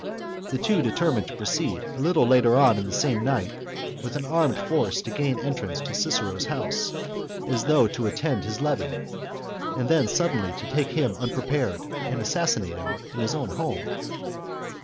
The two determined to proceed, a little later on in the same night, with an armed force 24 THE CONSPIRACY OF CATILINE. CHAP, to gain entrance to Cicero's house, as though to attend his levee, and then suddenly to take him unprepared and assassinate him in his own home.